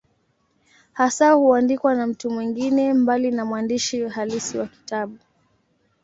Hasa huandikwa na mtu mwingine, mbali na mwandishi halisi wa kitabu.